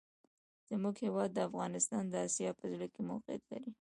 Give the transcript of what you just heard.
زموږ هېواد افغانستان د آسیا په زړه کي موقیعت لري.